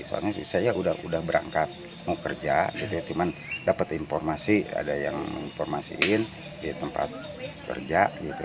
soalnya saya sudah berangkat mau kerja cuman dapet informasi ada yang menginformasiin di tempat kerja